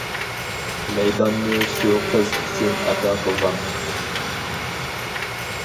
مەيداننى شۇ قىز ئۈچۈن ئاتا قىلغان.